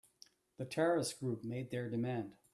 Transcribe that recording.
The terrorist group made their demand.